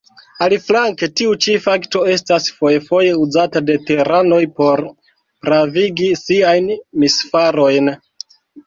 Aliflanke tiu ĉi fakto estas fojfoje uzata de tiranoj por pravigi siajn misfarojn.